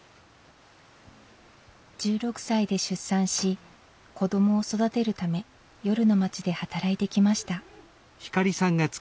１６歳で出産し子どもを育てるため夜の街で働いてきました。